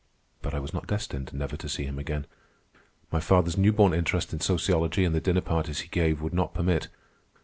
But I was not destined never to see him again. My father's new born interest in sociology and the dinner parties he gave would not permit.